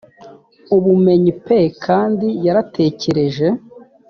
ubumenyi p kandi yaratekereje